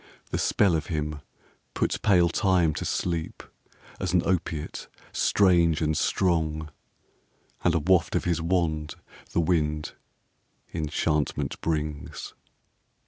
The spell of him puts pale Time to sleep, as an opiate strange and strong, And a waft of his wand, the wind, enchantment brings.